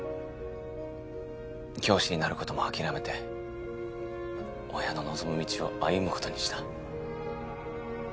教師になることも諦めて親の望む道を歩むことにした。